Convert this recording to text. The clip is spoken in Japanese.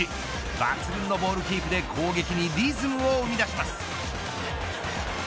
抜群のボールキープで攻撃にリズムを生み出します。